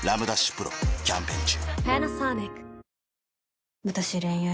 丕劭蓮キャンペーン中